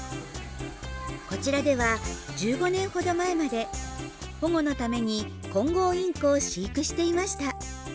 こちらでは１５年ほど前まで保護のためにコンゴウインコを飼育していました。